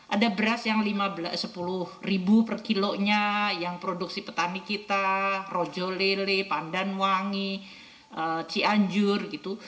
ada beras yang sepuluh ribu per kilonya yang produksi petani kita rojo lele pandan wangi cianjur gitu